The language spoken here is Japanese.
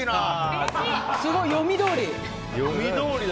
すごい、読みどおり。